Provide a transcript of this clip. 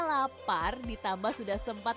lapar ditambah sudah sempat